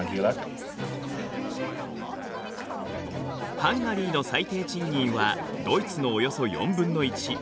ハンガリーの最低賃金はドイツのおよそ４分の１。